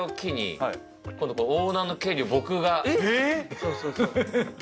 そうそうそう。